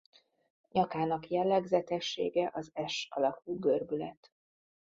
Nyakának jellegzetessége az S alakú görbület.